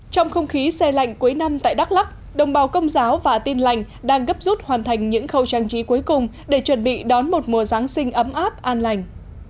trong không khí xe lạnh cuối năm tại đắk lắc đồng bào công giáo và tin lành đang gấp rút hoàn thành những khâu trang trí cuối cùng để chuẩn bị đón một mùa giáng sinh ấm áp an lành